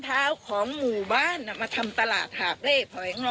ท้าวของหมู่บ้านมาทำตลาดหาเบรษ